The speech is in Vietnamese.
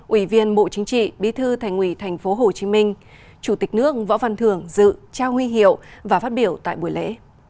ủy viên bộ chính trị bí thư thành ủy tp hcm chủ tịch nước võ văn thưởng dự trao huy hiệu và phát biểu tại buổi lễ